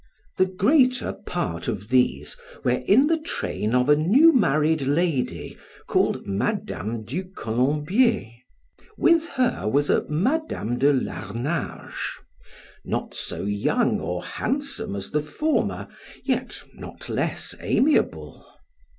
The greater part of these were in the train of a new married lady called Madam du Colombier; with her was a Madam de Larnage, not so young or handsome as the former, yet not less amiable.